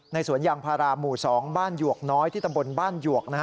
สวนยางพาราหมู่๒บ้านหยวกน้อยที่ตำบลบ้านหยวก